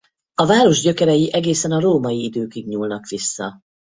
A város gyökerei egészen a római időkig nyúlnak vissza.